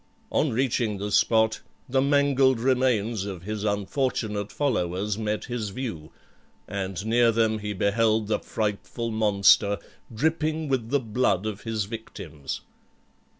On reaching the spot, the mangled remains of his unfortunate followers met his view, and near them he beheld the frightful monster, dripping with the blood of his victims.